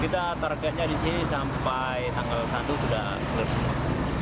kita targetnya disini sampai tanggal satu sudah selesai